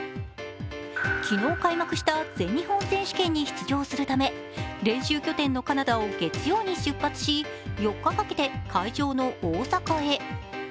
昨日開幕した全日本選手権に出場するため、練習拠点のカナダを月曜に出発し４日かけて会場の大阪へ。